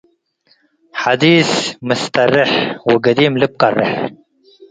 . ሐዲስ ምስተርሕ ወገዲም ልብ ቀርሕ፣